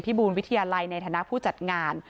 บูรวิทยาลัยในฐานะผู้จัดงาน